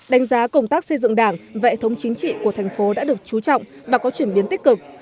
đánh giá công tác xây dựng đảng vệ thống chính trị của thành phố đã được chú trọng và có chuyển biến tích cực